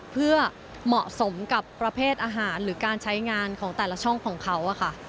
เพื่อเหมาะสมกับประเภทอาหารหรือการใช้งานของแต่ละช่องของเขาค่ะ